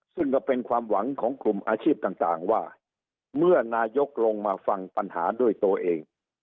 ซึ่งก็เป็นความหวังของกลุ่มอาชีพต่างว่าเมื่อนายกลงมาฟังปัญหาด้วยตัวเอง